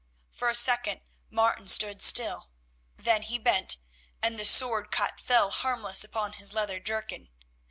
For a second Martin stood still. Then he bent, and the sword cut fell harmless upon his leather jerkin.